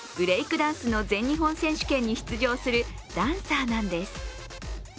ダンスの全日本選手権に出場するダンサーなんです。